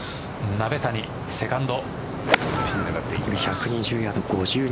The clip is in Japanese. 鍋谷、セカンド。